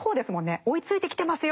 追いついてきてますよっていう。